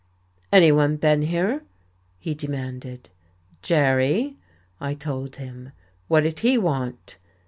"Anyone been here?" he demanded. "Jerry," I told him. "What did he want?"